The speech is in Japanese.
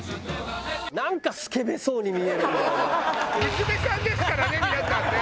娘さんですからね皆さんね！